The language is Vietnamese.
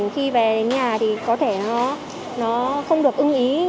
khi về đến nhà thì có thể nó không được ưng ý